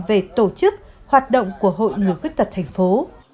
về tổ chức hoạt động của hội người khuyết tật thành phố